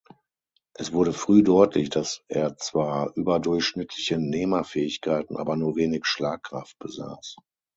Es wurde früh deutlich, dass er zwar überdurchschnittliche Nehmerfähigkeiten, aber nur wenig Schlagkraft besaß.